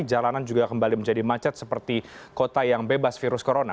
jalanan juga kembali menjadi macet seperti kota yang bebas virus corona